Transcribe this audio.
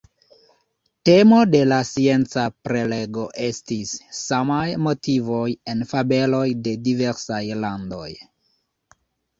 Temo de la scienca prelego estis: samaj motivoj en fabeloj de diversaj landoj.